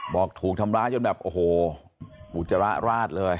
บอกถูกทำร้ายจนแบบโอ้โหอุจจาระราดเลย